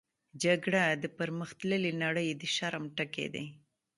جګړه د پرمختللې نړۍ د شرم ټکی دی